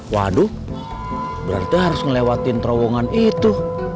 waduh berarti harus ngelewatin terowongan itu